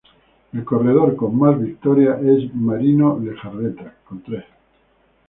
El corredor con más victorias es Marino Lejarreta, con tres.